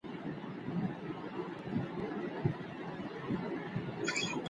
مرکزي کتابتون په تصادفي ډول نه ټاکل کیږي.